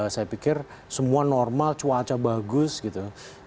saya pikir semua normal cuaca bagus gitu